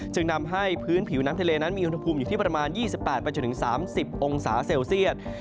จึงนำให้พื้นผิวน้ำทะเลนั้นมีอุณหภูมิอยู่ที่ประมาณ๒๘๓๐องศาเซลเซียต